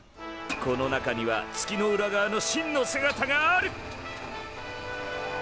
この中には月の裏側の真の姿がある！